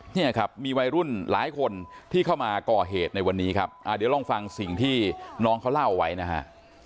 เนี่ยครับมีวัยรุ่นหลายคนที่เข้ามาก่อเหตุในวันนี้ครับเดี๋ยวลองฟังสิ่งที่น้องเขาเล่าไว้นะฮะ